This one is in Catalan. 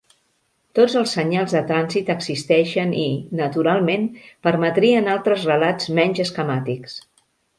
Tots els senyals de trànsit existeixen i, naturalment, permetrien altres relats menys esquemàtics.